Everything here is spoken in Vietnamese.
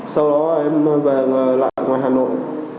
sau đó em về lại ngoài hà nội